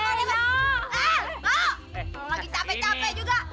lagi capek capek juga